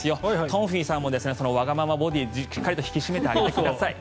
トンフィさんもそのわがままボディーをしっかり引き締めてあげてください。